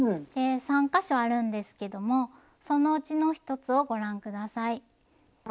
３か所あるんですけどもそのうちの１つをご覧下さい。